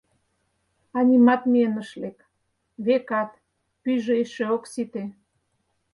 А нимат миен ыш лек, векат, пӱйжӧ эше ок сите.